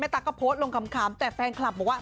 ตั๊กก็โพสต์ลงขำแต่แฟนคลับบอกว่า